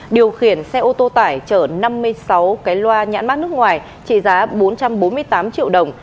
điều khiển xe ô tô tải chở năm mươi sáu cái loa nhãn mát nước ngoài trị giá bốn trăm bốn mươi tám triệu đồng